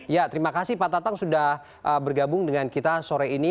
ya terima kasih pak tatang sudah bergabung dengan kita sore ini